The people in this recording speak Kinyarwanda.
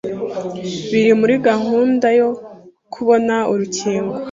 biri muri gahunda yo kubona urukingo